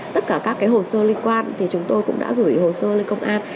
tất cả các hồ sơ liên quan thì chúng tôi cũng đã gửi hồ sơ lên công an